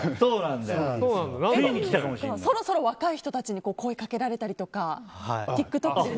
そろそろ若い人たちに声をかけられたりとかＴｉｋＴｏｋで。